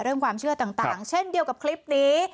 เรื่องความเชื่อต่างเช่นเดียวกับคลิปนี้